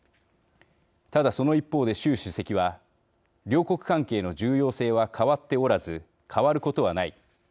ただ、その一方で習主席は「両国関係の重要性は変わっておらず変わることはない。